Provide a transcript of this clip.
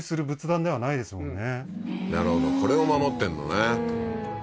なるほどこれを守ってんのね